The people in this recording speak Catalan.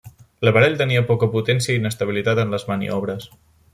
L'aparell tenia poca potència i inestabilitat en les maniobres.